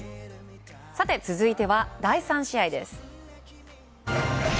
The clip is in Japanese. さて、続いては第３試合です。